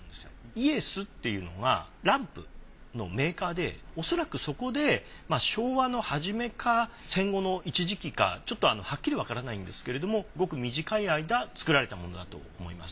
イエスっていうのがランプのメーカーでおそらくそこで昭和の初めか戦後の一時期かちょっとはっきりわからないんですけれどもごく短い間作られたものだと思います。